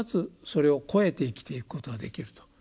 それを超えて生きていくことができると。